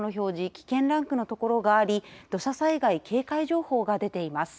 危険ランクのところがあり土砂災害警戒情報が出ています。